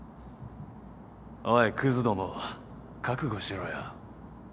おいクズども覚悟しろよ。